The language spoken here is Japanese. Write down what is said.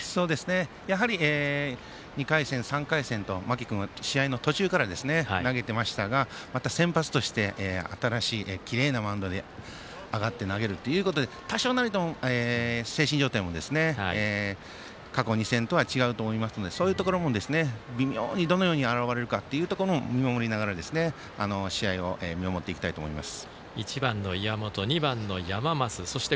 やはり、２回戦、３回戦と間木君は、試合の途中から投げていましたがまた先発として新しいきれいなマウンドに上がって投げるということで多少なりとも精神状態も、過去２戦とは違うと思いますのでそういうところも微妙にどのように現れるかというところも見守りながら試合を見守っていきたいと思います。